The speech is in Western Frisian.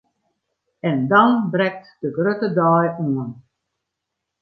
En dan brekt de grutte dei oan!